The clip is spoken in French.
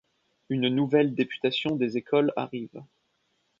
Une nouvelle députation des écoles arrive.